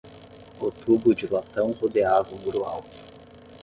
O tubo de latão rodeava o muro alto.